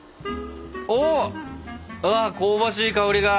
おお！ああ香ばしい香りが！